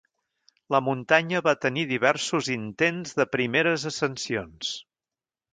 La muntanya va tenir diversos intents de primeres ascensions.